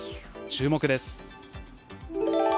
注目です。